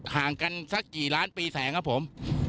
ห่างกันสักกี่ล้านปีแสงครับผม